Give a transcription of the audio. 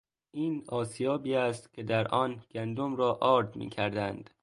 این آسیابی است که در آن گندم را آرد میکردند.